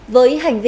với hành vi